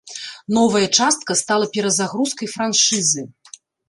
Новая частка стала перазагрузкай франшызы.